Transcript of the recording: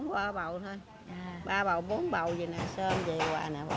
kể ba bốn bầu thôi ba bốn bầu như thế này xôm như vậy hoài nè